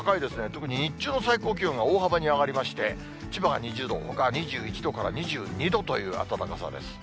特に特に日中の最高気温が大幅に上がりまして、千葉が２０度、ほかは２１度から２２度という暖かさです。